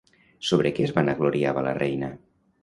Sobre què es vanagloriava la reina?